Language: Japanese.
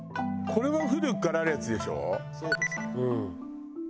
これは古くからあるやつでしょ？